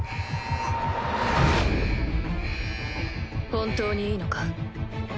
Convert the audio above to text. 本当にいいのか？